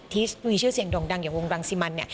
ที่มีชื่อเสียงด่งดังอย่างวงรังสิมันเนี่ย